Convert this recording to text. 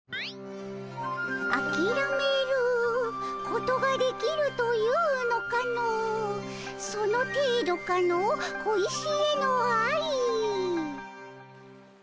「あきらめることができるというのかのその程度かの小石への愛」。